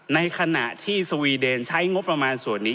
ในขณะที่สวีเดนใช้งบประมาณส่วนนี้